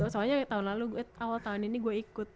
soalnya tahun lalu awal tahun ini gue ikut